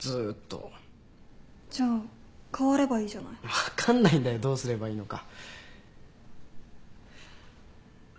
分かんないんだよどうすればいいのか。